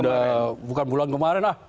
nah sudah bukan bulan kemarin lah